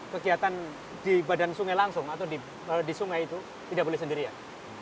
kegiatan di badan sungai langsung atau di sungai itu tidak boleh sendirian